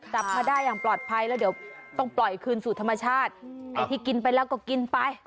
จับมาได้อย่างปลอดภัยแล้วเดี๋ยวต้องปล่อยคืนสู่ธรรมชาติไอ้ที่กินไปแล้วก็กินไป